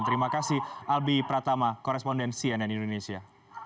terima kasih albi pratama koresponden cnn indonesia